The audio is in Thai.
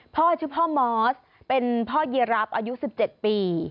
พ่อชื่อพ่อมอสเป็นพ่อเยีรับอายุ๑๗ปี